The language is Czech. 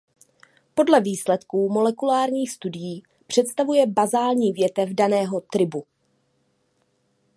Podle výsledků molekulárních studií představuje bazální větev daného tribu.